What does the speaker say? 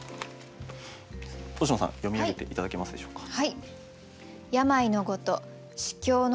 星野さん読み上げて頂けますでしょうか。